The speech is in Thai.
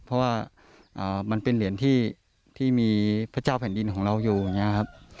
เพราะว่ามันเป็นเหรียญที่มีพระเจ้าแผ่นดินของเราอยู่อย่างนี้ครับ